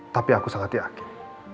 tapi aku sangat yakin